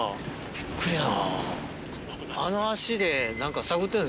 びっくりだな。